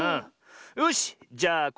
よしじゃあ